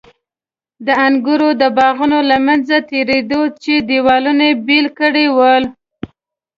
د انګورو د باغونو له منځه تېرېده چې دېوالونو بېل کړي ول.